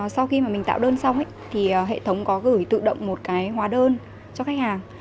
sau khi mà mình tạo đơn xong thì hệ thống có gửi tự động một cái hóa đơn cho khách hàng